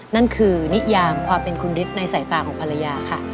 นั่นคือนิยามความเป็นคุณฤทธิ์ในสายตาของภรรยาค่ะ